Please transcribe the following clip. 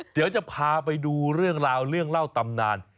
เดี๋ยวจะพาไปดูเรื่องราวเรื่องเล่าตำนาน